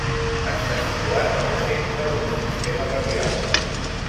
Està situat al centre d'un sistema radial.